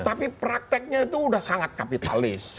tapi prakteknya itu sudah sangat kapitalis